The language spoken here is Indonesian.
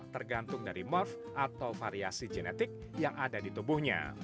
tergantung dari morf atau variasi genetik yang ada di tubuhnya